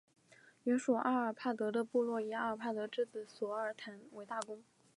原属阿尔帕德的部落以阿尔帕德之子索尔坦为大公。